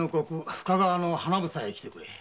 深川の「花房」へ来てくれ。